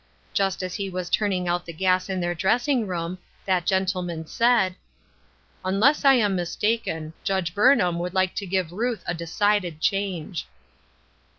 Just as he was turning out the gas in their dress ing room, that gentleman said :" Unless I am mistaken, Judge Burnham would like to give Ruth a decided change."